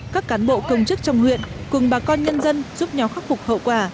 các cán bộ công chức trong huyện cùng bà con nhân dân giúp nhau khắc phục hậu quả